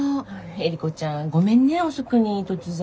エリコちゃんごめんね遅くに突然。